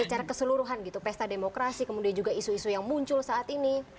secara keseluruhan gitu pesta demokrasi kemudian juga isu isu yang muncul saat ini